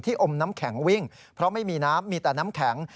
อมน้ำแข็งวิ่งเพราะไม่มีน้ำมีแต่น้ำแข็ง